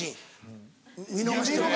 見逃しても。